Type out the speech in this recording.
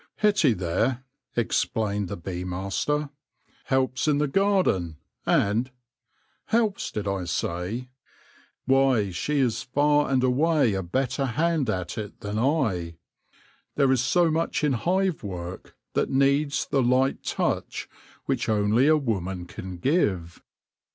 " Hetty, there," explained the bee master, " helps in the garden, and Helps, did I say ? Why, she is far and away a better hand at it than I ! There is so much in hive work that needs the light touch which only a woman can give.